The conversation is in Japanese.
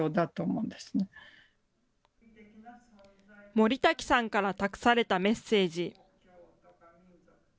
森瀧さんから託されたメッセージ。